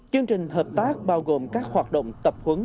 chương trình hợp tác bao gồm các hoạt động tập huấn